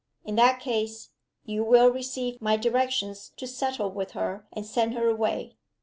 In that case, you will receive my directions to settle with her and send her away.